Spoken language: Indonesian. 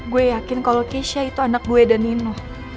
gue yakin kalau keisha itu anak gue dan nino